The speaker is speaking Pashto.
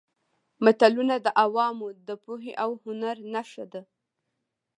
متلونه د عوامو د پوهې او هنر نښه ده